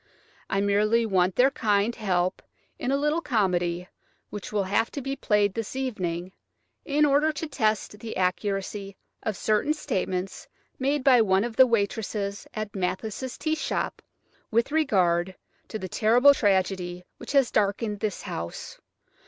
I merely want their kind help in a little comedy which will have to be played this evening, in order to test the accuracy of certain statements made by one of the waitresses at Mathis' tea shop with regard to the terrible tragedy which has darkened this house.